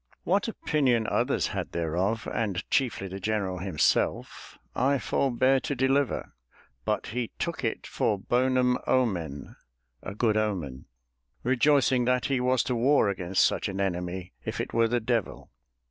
What opinion others had thereof, and chiefly the Generall himselfe, I forbeare to deliuer: But he tooke it for Bonum Omen [a good omen], reioycing that he was to warre against such an enemie, if it were the deuill."